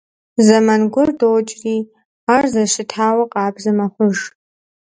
Зэман гуэр докӀри, ар зэрыщытауэ къабзэ мэхъуж.